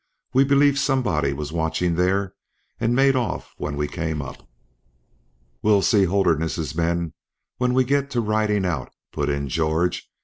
We believe somebody was watching there and made off when we came up." "We'll see Holderness's men when we get to riding out," put in George.